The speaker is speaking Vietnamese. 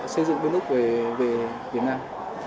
xây dựng nước về việt nam